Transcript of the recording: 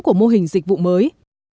của mô hình dịch vụ mới